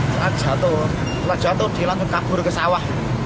saat jatuh setelah jatuh dilakukan kabur ke sawah